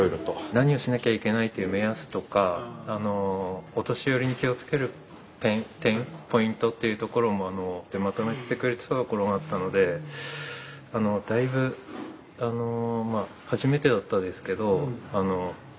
「何をしなきゃいけない」っていう目安とかお年寄りに気を付ける点ポイントっていうところもまとめててくれたところもあったのでだいぶ初めてだったんですけど入りやすかったかな。